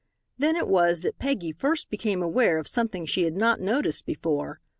Then it was that Peggy first became aware of something she had not noticed before.